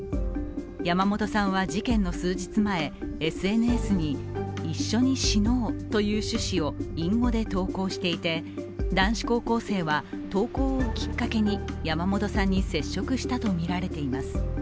山本さんは事件の数日前、ＳＮＳに一緒に死のうという趣旨を隠語で投稿していて、男子高校生は投稿をきっかけに山本さんに接触したとみられています。